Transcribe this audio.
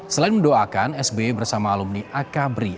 selain mendoakan sby bersama alumni akabri